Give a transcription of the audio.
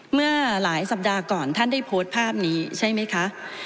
เมื่อหลายสัปดาห์ก่อนท่านได้โพสต์ภาพนี้ใช่ไหมคะ